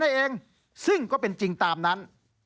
เองซึ่งก็เป็นจริงตามนั้น